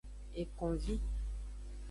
Ekonvi.